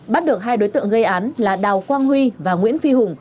bắt được hai đối tượng gây án là đào quang huy và nguyễn phi hùng